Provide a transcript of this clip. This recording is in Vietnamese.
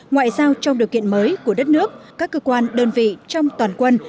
ngoại giao trong điều kiện mới của đất nước các cơ quan đơn vị trong toàn quân